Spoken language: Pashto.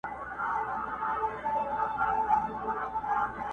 د رندانو له مستۍ به مځکه رېږدي!.